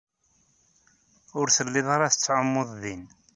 Ur tellid ara tettɛumud din.